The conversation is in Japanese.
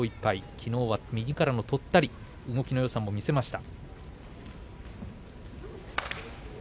きのうは右からのとったり動きのよさを見せました。